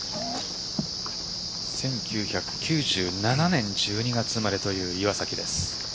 １９９７年１２月生まれという岩崎です。